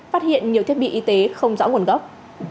phát hiện nhiều thiết bị y tế không rõ nguồn gốc